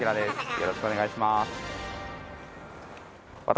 よろしくお願いします。